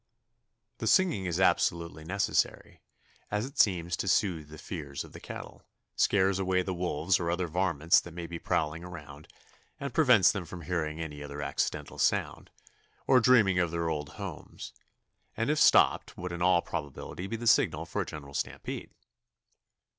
The singing is absolutely necessary, as it seems to soothe the fears of the cattle, scares away the wolves or other varmints that may be prowling around, and prevents them from hearing any other accidental sound, or dreaming of their old homes; and if stopped would in all probability be the signal for a general stampede.